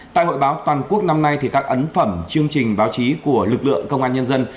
tại hội báo toàn quốc năm nay các ấn phẩm chương trình báo chí của lực lượng công an nhân dân